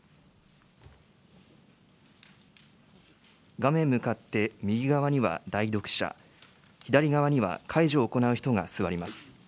画面向かって右側には代読者、左側には介助を行う人が座ります。